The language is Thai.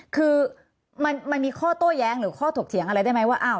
คือมันมีข้อโต้แย้งหรือข้อถกเถียงอะไรได้ไหมว่า